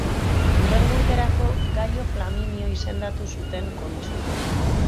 Hurrengo urterako, Gaio Flaminio izendatu zuten kontsul.